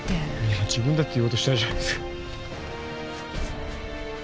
今自分だって言おうとしたじゃないっすか。